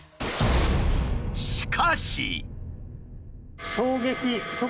しかし。